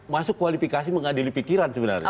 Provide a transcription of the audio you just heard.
masuk kualifikasi mengadili pikiran sebenarnya